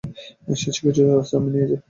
শেষের কিছুটা রাস্তা আমি নিয়ে যাই?